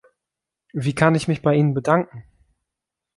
Wie kann ich mich bei Ihnen bedanken?